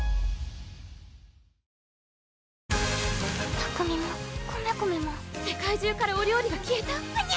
拓海もコメコメも世界中からお料理が消えた？はにゃ！